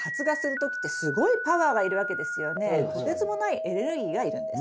とてつもないエネルギーがいるんです。